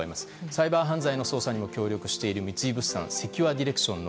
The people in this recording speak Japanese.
サイバー犯罪の捜査にも協力している三井物産セキュアディレクション